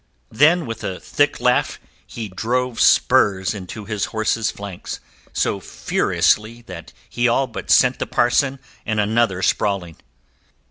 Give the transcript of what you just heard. Then with a thick laugh he drove spurs into his horse's flanks, so furiously that he all but sent the parson and another sprawling.